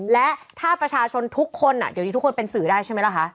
และถ้าประชาชนทุกคนเดี๋ยวนี้ทุกคนเป็นสื่อได้ใช่ไหมล่ะคะ